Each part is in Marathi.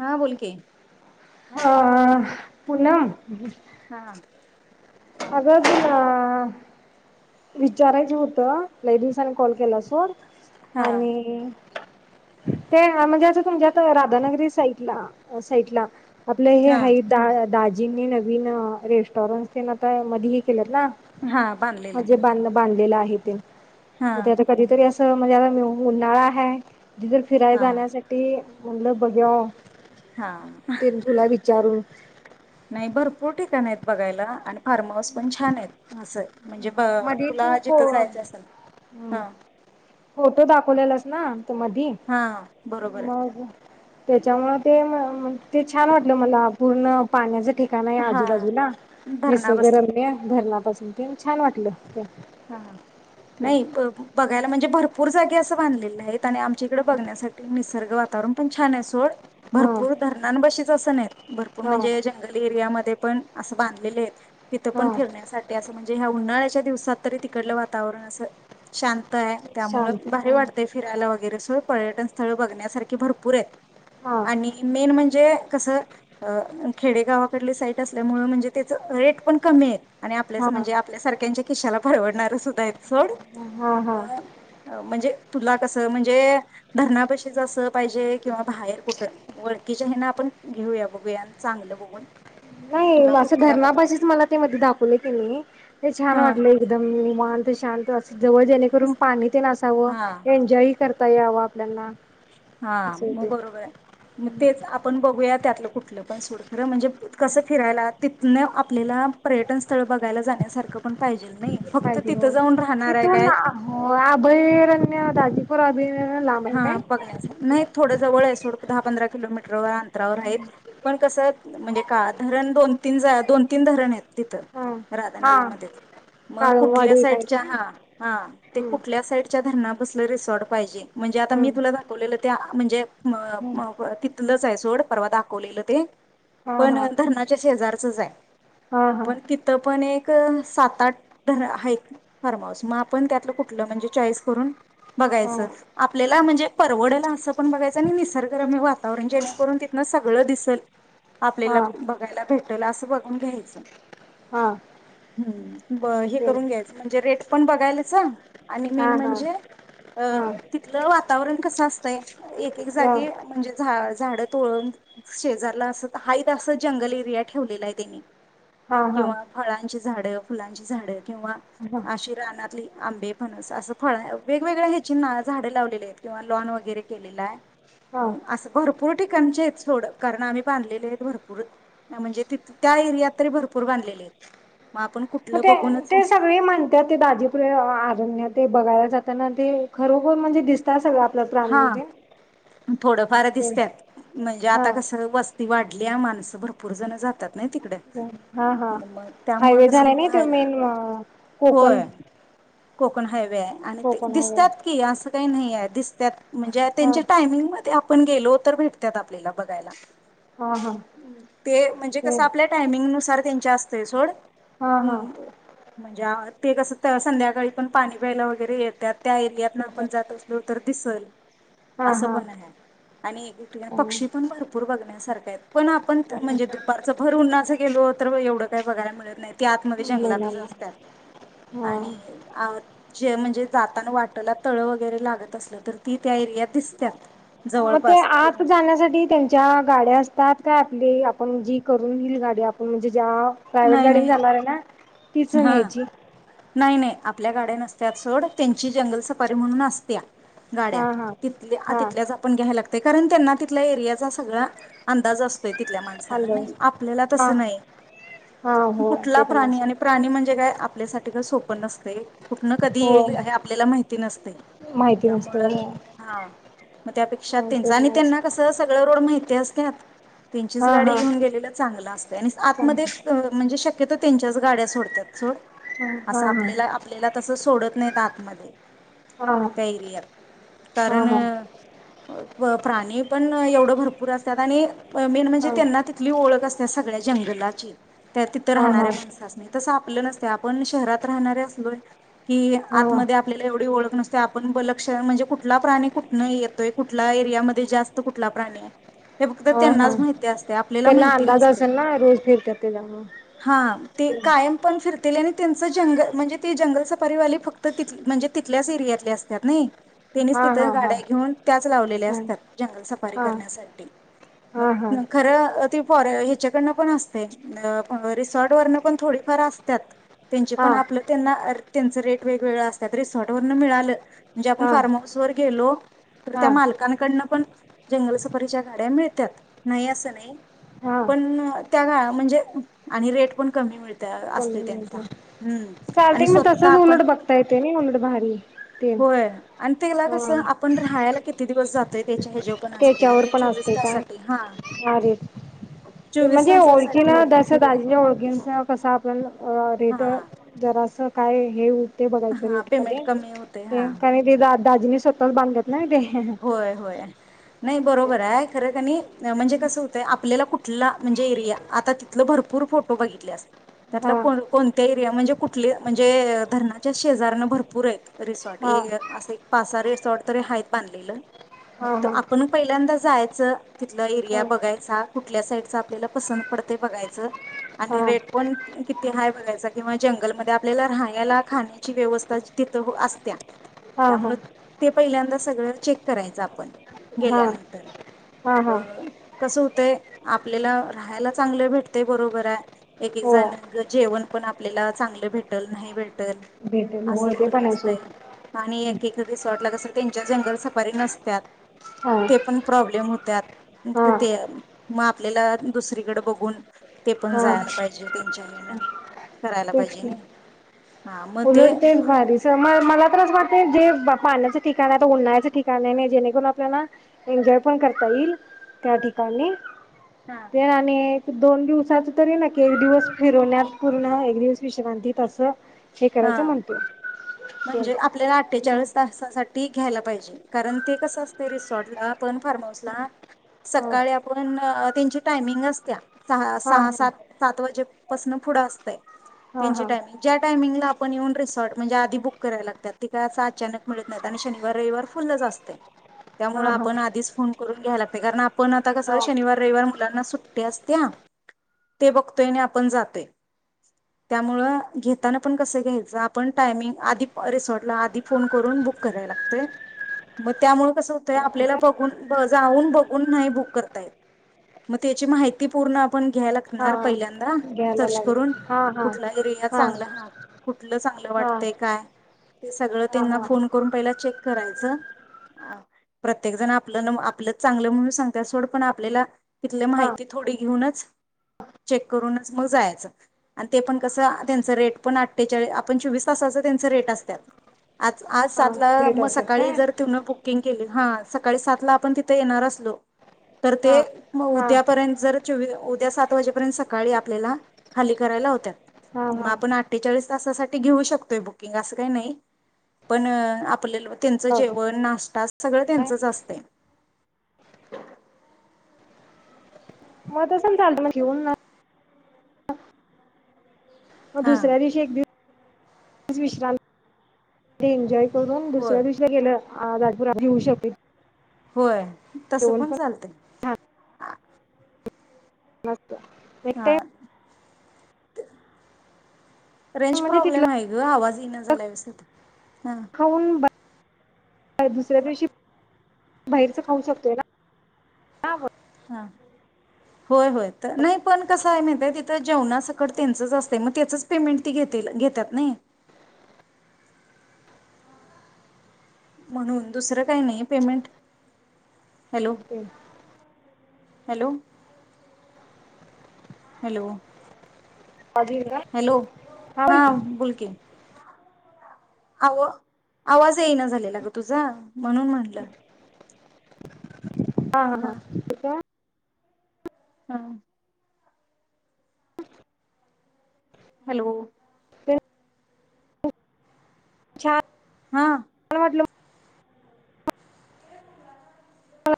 हा बोल की ह पुनम हा अग त विचारायच होतं ले दिवसांनी कॉल केला सोर हा आणि ते म्हणजे असं तुमच्या आता राधानगरी साईडला साईटला आपलं हे हा हाइ द दा जिनी नवीन रेस्टॉरंट तेन अ काय मध्ये केलं ना हा बांधलेला म्हजे बांध बांधलेलं आहे हा [unintelligible] वद्याता कधी तर र मजा म उन्हाळा आहे डिझल फिरायला हा जाण्यासाठी म्हणलं बघूया हा ते म तुला विचारून नाही बरं पोट काण आहेत बघायला आणि फार्म हाऊस पण छान आहेत असं म्हणजे मध्ये तू तुला फो जिथं जायचं असेल हा फोटो दाखवलेलास ना मध हा बरोबर आहे मग त्याच्यामु ते ते छान वाटलं मला पूर्ण पाण्या ठिका नाही हा आजूबाजूला म धरणा बसला गरम आहे धरणापासून ते छान वाटलं ते हा नाही म्हणजे भरपर जाे असं बांधले आहेत आणि तिकडे बघण्यासाठी निसर्ग वातावरण छान सोड हा भरपूर धरणा बस [unintelligible] भरपूर हा म्हणजे जंगली एरियामध्ये पण असं बांधलेले आहेत तिथं पण हा फिरण्यासाठी असं म्हणजे ह्या उन्हाळ्या च्या दिवसात तरी तिकडलं वातावरण असं शांत आहे त्यामु शांत भारी वाटते फिरायला वगैरे सोड पर्यटन स्थळ बघण्यासारखी भरपूर आहेत हा आणि मेन म्हणजे कसं खेड्यागावाकड सा असल्या म्हणे पण कमी आहेत हा म्हणजे आपल्यासारख्याच कश्याला परवडणार [unintelligible] सोड हा म हा म्हणजे तुला कस म्हणजे धरणापशीचस पाहिजे किंवा बाहेर कुठं वळखकीच्या हे ना आपण घेऊया बघूया चांगलं बघून नाही तुला असं कुठल्या पद धरणापाशीच मला ते मध्ये दाखवले तनी ते छान हा वाटलंय एकदम निवांत शांत अस जवळ जेणेकरून तस- पाणी ते नसावं हा एन्जॉय कर ता यावं आपल्याला हा मग बरोबर मग तेच आपण बघूया त्यातलं कुठलं पण सोड खरं म्हणजे कसं फिरायला तिथन आपल्याला पर्यटन स्थळ बघायला जाण्यासारखं पण पाहिजेल नाही फक्त पाहिजे तिथं हो जाऊन राहणार आहे तिथून काय अभयारण्य [unintelligible] काय? हा बघण्याच नाही थोडं जवळ आहे सोड दहा पंधरा किलोमीटर [unintelligible] पण कसं काळ धरण दोन तीन जाळ्यात दोन तीन धरण आहेत तिथं हा हा राधानगरीमध्ये मग कुठल्या काळमवाडी काय साईडच्या काय हा हा ते हम्म कुठल्या साईडच्या धरणा कसलं रिसॉर्ट पाहिजे म्हणजे आता मी हम्म तुला दाखवलेलं त्या म्हणजे हम्म [unintelligible] तिथलच आहे सोड परवा दाखवलेलं ते हा पण हा धरनाच्या शेजारचच हा आहे हा पण तिथं पण एक सात आठ आहे फॉर्म हाऊस मग आपण त्यातलं कुठलं म्हणजे चॉईस करून हा बघायचं आपल्याला म्हणजे परवडल असं पण बघायचं आणि निसर्गरम्य वातावरण जेणेकरून तिथनं सगळं दिसल हा आपल्याला बघायला भेटल असं बघून घ्यायचं हा [unintelligible] हम्म ब हे ते करून घ्यायचं म्हणजे रेट पण बघ [unintelligible] आणि मेन हा हा म्हणजे अ हा तिथलं वातावरण कस असतंय एक एक हा हा जागी म्हणजे झा झाड तोळून शेजारला अस हायत अस जंगल एरिया ठेवलेला आहे त्यांनी हा किंवा हा फळांची झाडं फुलांची झाडं किंवा आशी रानातली आंबे फणस असं फळ वेगवेगळ्या ह्याची ना झाडे लावलेली आहेत किंवा लॉन वगैरे केलेला आहे हा मग असं भरपुर भरपूर ठिकाणचे आहेत सोड कारण आम्ही बांधलेले आहेत भरपूर म्हणजे तिथ त्या एरियात तरी भरपूर बांधले आहेत मग आपण कुठ ते सगळी म्हणतात ते दाजीपुर आरण्यात ते बघाय त्याना ते खरोखर म्हणजे दिसतय अस वाट हा थोडफार ते दिसत्यात म्हणजे हा आता कस वस ती वाढल्या माणसं भरपूर जण जातात नाही तिकडे हा हा मग त्यामुळं हायवे झाला कसं नाही त बाहेर मेन कोकण होय Konkan highway Konkan highway दिसतात की अस काही नाहीये दिस त्यात म्हणजे हा त्यांच्या टायमिंगमध्ये पण गेलो तर भेटत्यात आपल्याला बघायला हा हा ते म्हणजे कस आपल्या टायमिंगुसार त्यांच्या ते सोड हा हा म्हणजे ते कसं संध्याकाळी पण पाणी प्यायला वगैरे येत्यात त्या एरियातन ठीक आपण आहे जात असलो तर [unintelligible] हा असं हा पण हाय आणि [unintelligible] पक्षी पण भरपूर बघण्यासारखं [unintelligible] पण आपण म्हणजे दुपारच भर उन्हाच गेलो तर एवढं काही बघायला मिळत नाही ते आतमध्ये जंगलातच महिलांना असतात हा आणि जे म्हणजे जाताना वाटला तळं वगैरे लागत असलं तर ती त्या एरियात दिसत्यात मग ते जवळपास आत तेव्हा जाण्यासाठी त्यांच्या गाड्या असतात काय आपली आपण जी करून न्हील गाडी आपण म्हणजे ज्या प्रायव्हेट नाही गाडी नाही जाणार आहे ना तीच हा ण्यायची नाही नाही आपल्या गाड्या नसत्यात सोड त्यांची जंगल सफारी म्हणून असत्या गाड्या हा हा ति हा तिथल्याच आपण घ्यायलागत ते कारण त्यांना तिथल्या एरियाचा सगळा अंदाज असतोय तिथल्या माणसान नाही अंदाज आपल्याला तस हा नाही हा हो कुठला ते पण प्राणी असं आणि प्राणी म्हणजे काय? आपल्यासाठी का सोपन नसतंय कुठन कधी हो येईल हे आपल्याला माहि ते नसतय माहिती नसतय होय. मग त्यापेक्षा त्यांच आणि त्यांना कसं सगळं रोड माहित ते असत्यात त्यांचीच हा हा गाडी घेऊन गेलेलं चांगलं असतय आणि हा आतमध्ये म्हणजे शक्यतो त्यांच्याच गाड्या सोडत्यात सोड हा असं हा आपल्याला आपल्याला तस सोडत नाहीत आतमध्ये हा हा हा त्या एरियात हा कारण प्राणी पण एवढं भरपूर असत्यात आणि मेन म्हणजे हा त्यांना तिथली ओळख असत्या सगळ्या जंगलाची. त्या तिथं राहणाऱ्या माणसासनी तस आपलं नसतय आपण शहरात राहणारे असलोय की हा हा आतमध्ये आपल्याला एवढी ओळख नसत्या आपण लक्ष म्हणजे कुठला प्राणी कुठनं येतोय कुठल्या एरियामध्ये जास्त कुठला प्राणीय ह हा त्यांना अंदाज नसते असेल ना रोज फिरत्या त्यांन हा ते कायम पण फिरतेलेनी त्यांच जंग म्हणजे जंगल सफारीवा फक्त म्हणजे तिथल्याच एरियातले असत्यात नाय त्यानीच हा तिथं हा हा गाड्या घेऊन त्याच लावलेल्या ह असत्यात जंगल सफारी हा करण्यासाठी हा हा मग खरं ती फॉरे ह्याच्याकडन पण असतय अ रिसॉर्ट वरन पण थोडीफार असत्यात. त्यांचे हा पण आपलं त्यांना अर त्यांच रेट वेगवेगळ असत्यात रिसॉर्टवरन मिळालं म्हणजे आपण हा फार्म हाऊस वर गेलो तर त्या हा मालकांकडन पण जंगल सफारीच्या गाड्या मिळत्यात नाही असं नाय हा पण त्या गा म्हणजे आणि रेट पण कमी मिळ त्या कोण असतय त्यांचा मिळते हम्म आणि चालते मग स्वतः तसच आपण उलट बघता येते ना उलट भारी ते होय आणि तेला हा कस आपण राहायला कि किती दिवस जातय ते? [unintelligible] ज्यो पण असतय त्याच्यावर म्हणजे पण चोवीस असते काय तासातील हा भारी चोवीस तासा सा दहा दाजींच्या ओळखीचं तसा आपल्याला अ हा ऑडिटर जरासं काय हेऊ ते बघायचं हा रेट का पेमेंट कमी होते तेन हा कारण ते दाजीनी सो स्वताच बांधल्यात नाय ते होय होय नाही बरोबर आहे खरं कनीआणि म्हणजे कसं होतंय आपल्याला कुठला म्हणजे एरिया आता तिथलं भरपूर फोटो बघितलेस त्यातला हा को कोणत्या एरिया म्हणजे कुठले म्हणजे धरणाच्या शेजऱ्याना भरपूर आहेत रिसॉर्ट हा असं एक पाच सहा रिसॉर्ट तरी आहेत बांधलेलं हा मग हा आपण पहिल्यांदा जायचं तिथलं एरिया हा बघायचा कुठल्या साईडच आपल्याला पसंत पडतंय बघायचं आणि हा रेट पण किती हा बघायचा किंवा जंगलमध्ये आपल्याला राहण्याला खाण्याची व्यवस्था तिथं असत्या हा हा त्यामुळे ते पहिल्यांदा सगळं चेक करायचं आपण हा गेल्यानंतर हा हा अ कसं ते आपल्याला राहायला चांगलं भेटते बरोबर आहे एक एक हो जण जेवण पण आपल्याला चांगलं भेटल नाही भेट भेटेल अस होय ते पण आहे असतंय सोड आणि एक एक रिसॉर्ट [unintelligible] त्यांच्या जंगल सफारी नसतात हा ते पण प्रॉब्लेम होत त्यात हा [unintelligible] मग आपल्याला दुसरीकडे बघून ते पण हा जायला पाहिजे त्यांच्या हेन करायला तेच पाहिजे की नाही हा मग उलट ते भारी स म मला वाटते जे पाण्याचे ठिकाण आहे उन्हाळचे ठिकाण आहे जेणेकरून आपल्याला एन्जॉय पण करता येईल त्या ठिकाणी हा ते ना आणि दोन दिवसाच तरी ना की एक दिवस फिरवण्यात पूर्ण आहे न्यूज विश्रांती तसं हा म्हणजे आपल्याला अठ्ठेचाळीस तासासाठी ती घ्यायला पाहिजे कारण ते कसं असते रिसॉर्टला आपण फार्म हाऊसला हा सकाळी आपण त्यांची टायमिंग असत्या सहा हा सहा सात सात वाजे पसनं पुढं असतय हा हा त्यांची हा टायमिंग ज्या टायमिंगला आपण येऊन रिसॉर्ट म्हणजे आधी बुक कराय लागतात ती काय असं अचानक मिळत नाहीत आणि शनिवार रविवार फुल्लच असते त्यामुळे हा आपण आधीच फोन करुन घ्या लागतय कारण आपण आता कसं हा शनिवार रविवार मुलांना सुट्टीअसत्या ते बघतोय आणि आपण जातोय त्यामुळे घेताना आपण कसं घ्यायचं आपण टायमिंग आधि रिसॉर्टला आधी फोन करून बुक कराय लागतय मग त्यामुळे कसं होतय आपल्याला का बघुन जाऊन बघुन नाही बुक करता येत म त्याची माहिती पूर्ण आपण घ्या हा लागणार पहिल्यांदा घ्यायला सर्च लागलं करून हा हा कुठला एरिया चांगला हा कुठलं चांगलं हा वाटतंय काय हे सगळं हा तेन्ना हा फोन करून पहिलं चेक करायचं आ प्रत्येक जण आपलं नव आपलं चांगलं म्हणून सांगतात सोड पण आपल्याला इथलं माहिती थोडी घेऊनच चेक करूनच मग जायचं अन ते पण कसं आ त्यांचे रेट पण आ तिच्या वेळी आपन चौवीस तासाच त्यांच रेट असत्यात आज हा आजासा [unintelligible] भेट मग असेल सकाळी काय जर तिनं बुकिंग केली हा सकाळी सातला आपण तिथ येणार असलो तर ते हा म हा उद्यापर्यंत जर चौवी त्या सात वाजेपर्यंत सकाळी आपल्याला खाली करायला हा लावत्यात मग हा आपण अठ्ठेचाळीस तसासाठी घेऊ शकतोय बुकिंग असं काही नाही पण अ आपलं लोन त्यांचं लावता जेवण नाष्टा स सगळं त्यांचच असतंय. मग तसं चालतं मग [unintelligible] मग हा दुसऱ्या दिवशी एक दिव [unintelligible] विश्रान ती एन्जॉय करून होय दुसऱ्या दिवशीला गेलं आज [unintelligible] होय तसं पण चालतंय. छान असतं एक हा. टाइम ते अ रेंज म्हणजे प्रॉब्लेम तिथलं आहे ग आवाज इना झालाय व्यवस्थित, हा. खाऊन ब- दुसऱ्या दिवशी बाहेरच खाऊ शकतोय ना [unintelligible] हा, होय होय. त नाही पण कसं आहे माहितय तिथं जेवणासकट त्यांचच असतंय, मग त्याचच पेमेंट ती घेतील घेत्यात नाही. म्हणून दुसरं काही नाही पेमेंट हॅलो [inaudible] हॅलो, हॅलो. अजून का? हॅलो हा बोल की. बोलकी. आव आवाज येईना झालेला ग तुझा म्हणून म्हटलं. हा, हा, हा ठीक हाय. हा. हॅलो. छा हा. हा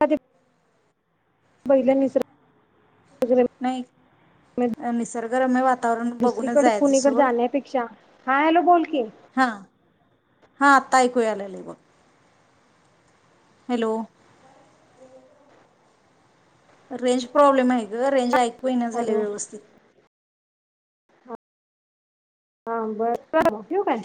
[unintelligible] ते बहिलानीसर नाही अ निसर्गरम वातावरण बघूनच दुसरीकडे जायचं कुणीकडे सोड. जाण्यापेक्षा हा, हॅलो बोल की हा. हा आत्ता ऐकू याय लागलय बघ. हॅलो. रेंज प्रॉब्लेम आहे ग. रेंज ऐक ऐकू येईना झालंय हॅलो व्यवस्थित. हा बर ठेवू काय?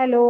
हॅलो.